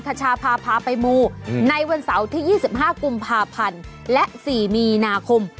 ชาพาพาไปมูในวันเสาร์ที่๒๕กุมภาพันธ์และ๔มีนาคม